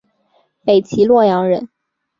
北齐洛阳人。